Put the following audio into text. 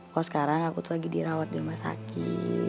kalo sekarang aku tuh lagi dirawat di rumah sakit